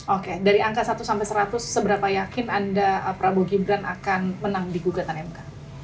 oke dari angka satu sampai seratus seberapa yakin anda prabowo gibran akan menang di gugatan mk